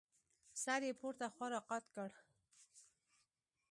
سر يې پورته خوا راقات کړ.